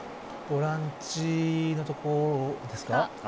ボランチのところですか。